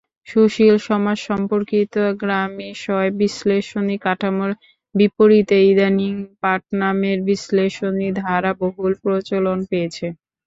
সুশীল সমাজসম্পর্কিত গ্রামিসয় বিশ্লেষণী কাঠামোর বিপরীতে ইদানীং পাটনামের বিশ্লেষণী ধারা বহুল প্রচলন পেয়েছে।